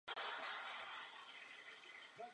Knihovnu lze později z paměti uvolnit.